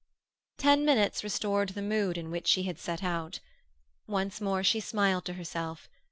Ten minutes restored the mood in which she had set out. Once more she smiled to herself.